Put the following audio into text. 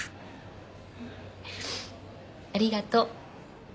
ありがとう。